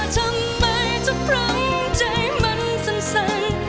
ทำไมทุกครั้งใจมันสำสัญ